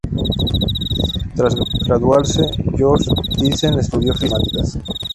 Tras graduarse, Georg Thiessen estudió física y matemáticas.